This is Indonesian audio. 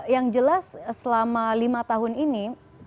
yang jelas selama lima tahun ini